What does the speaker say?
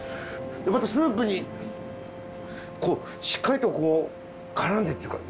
またスープにしっかりとこうからんでっていうか。